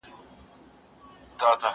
زه پرون لوښي وچوم وم!؟